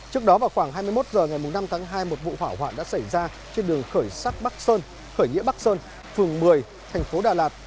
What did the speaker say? trước đó vào khoảng hai mươi một h ngày năm tháng hai một vụ hỏa hoạn đã xảy ra trên đường khởi sắc bắc sơn khởi nghĩa bắc sơn phường một mươi thành phố đà lạt